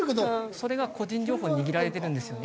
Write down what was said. それが個人情報握られてるんですよね。